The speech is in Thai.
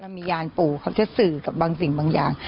มียานปู่เขาจะสื่อกับบางสิ่งบางอย่าง